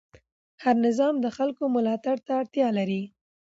هر نظام د خلکو ملاتړ ته اړتیا لري